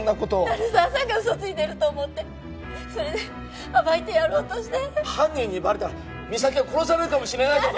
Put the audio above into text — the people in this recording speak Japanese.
鳴沢さんが嘘ついてると思ってそれで暴いてやろうとして犯人にバレたら実咲は殺されるかもしれないんだぞ